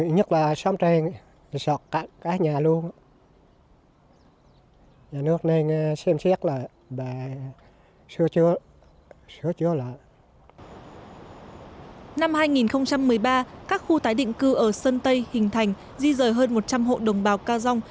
năm hai nghìn một mươi ba các khu tái định cư ở sơn tây hình thành di rời hơn một trăm linh hộ đồng bào ca dông